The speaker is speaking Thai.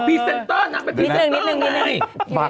อ๋อเฟีเซงเตอร์นักศึกษา